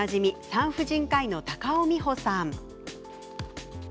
産婦人科医の高尾美穂さん。